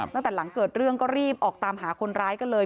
ตั้งแต่หลังเกิดเรื่องก็รีบออกตามหาคนร้ายกันเลย